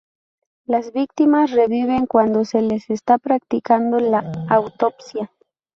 Las víctimas reviven cuando se les está practicando la autopsia.